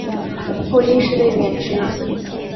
后因事被免职。